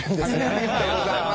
ありがとうございます。